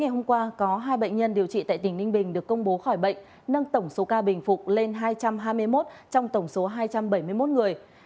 hôm qua có hai bệnh nhân điều trị tại tỉnh ninh bình được công bố khỏi bệnh nâng tổng số ca bình phục lên hai trăm hai mươi một trong tổng số hai trăm bảy mươi một người